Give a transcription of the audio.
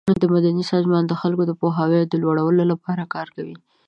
مدني سازمانونه د خلکو د پوهاوي د لوړولو لپاره کار کوي.